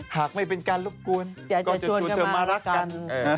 หากไม่เป็นกันลูกกูลก็จะชวนเธอมารักกัน